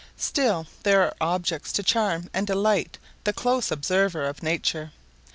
Still there are objects to charm and delight the close observer of nature.